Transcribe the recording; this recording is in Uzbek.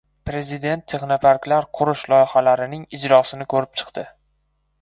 Prezident texnoparklar qurish loyihalarining ijrosini ko‘rib chiqdi